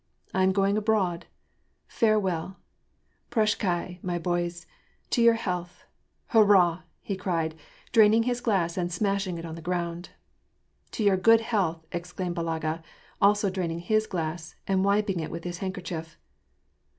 I am going abroad, farewell, — prashchdi, my boys. To your health ! Hurrah !" he cried, draining his glass and smashing it on the ground. " To your good health !" exclamed Balaga, also draining his glass and wiping it with his handkerchief.